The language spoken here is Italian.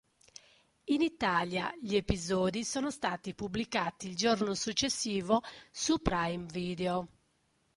In Italia gli episodi sono stati pubblicati il giorno successivo su Prime Video.